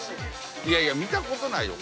いやいや見た事ないよ